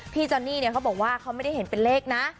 จอนนี่เนี่ยเขาบอกว่าเขาไม่ได้เห็นเป็นเลขนะ